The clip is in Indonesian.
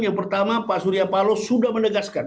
yang pertama pak sudir palo sudah menegaskan